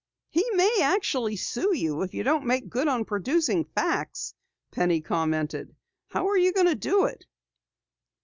"He may actually sue you if you don't make good on producing facts," Penny commented. "How are you going to do it?"